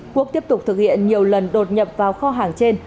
quốc tiếp tục thực hiện nhiều lần đột nhập vào kho hàng trên